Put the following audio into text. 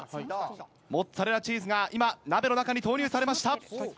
モッツァレラチーズが今鍋の中に投入されました。